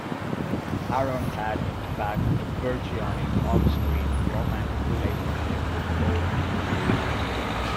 Harron had, in fact, a burgeoning off-screen romantic relationship with Dorothy Gish.